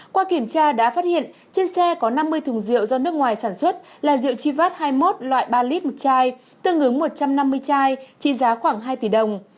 qua kiểm tra đã phát hiện trên xe có năm mươi thùng rượu do nước ngoài sản xuất là rượu chivat hai mươi một loại ba lít một chai tương ứng một trăm năm mươi chai trị giá khoảng hai tỷ đồng